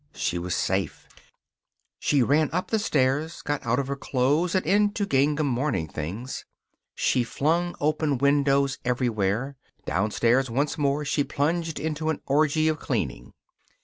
She was safe. She ran up the stairs, got out of her clothes and into gingham morning things. She flung open windows everywhere. Downstairs once more she plunged into an orgy of cleaning.